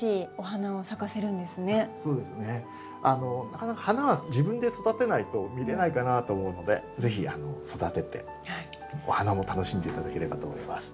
なかなか花は自分で育てないと見れないかなと思うので是非育ててお花も楽しんで頂ければと思います。